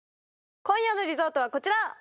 今夜のリゾートはこちら！